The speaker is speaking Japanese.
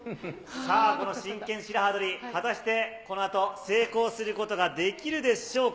さあ、この真剣白刃取り、果たしてこのあと成功することができるでしょうか。